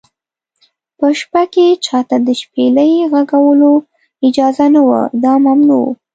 په شپه کې چا ته د شپېلۍ غږولو اجازه نه وه، دا ممنوع و.